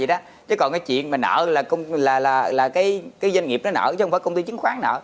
nha chứ còn cái chuyện mà nợ là cũng là là cái cái doanh nghiệp nó nở trong các công ty chứng khoán nợ